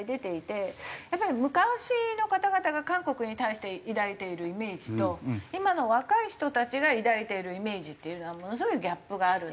やっぱり昔の方々が韓国に対して抱いているイメージと今の若い人たちが抱いているイメージっていうのはものすごいギャップがある。